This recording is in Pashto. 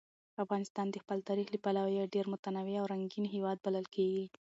افغانستان د خپل تاریخ له پلوه یو ډېر متنوع او رنګین هېواد بلل کېږي.